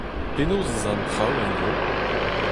Penaos ez a an traoù en-dro ?